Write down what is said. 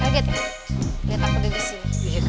rage lihat aku di sini